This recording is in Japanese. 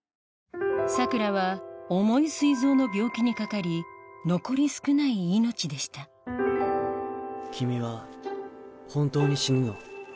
桜良は重い膵臓の病気にかかり残り少ない命でした君は本当に死ぬの？